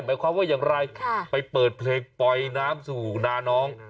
หมายความว่าอย่างไรไปเปิดเพลงปล่อยน้ำสู่นาน้อง